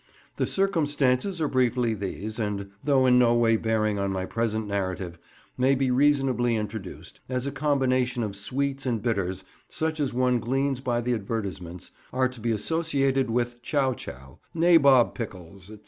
The circumstances are briefly these, and though in no way bearing on my present narrative, may be reasonably introduced, as a combination of sweets and bitters, such as one gleans by the advertisements, are to be associated with "chow chow," "nabob pickles," &c.